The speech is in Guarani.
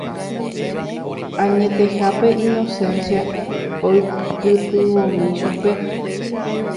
Añetehápe Inocencia oipytyvõmi chupe.